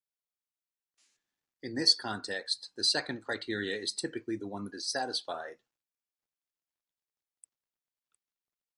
In this context, the second criteria is typically the one that is satisfied.